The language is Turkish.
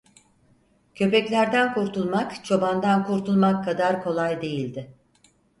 Köpeklerden kurtulmak çobandan kurtulmak kadar kolay değildi.